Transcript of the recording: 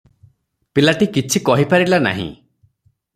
ପିଲାଟି କିଛି କହିପାରିଲା ନାହିଁ ।